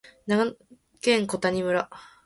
長野県小谷村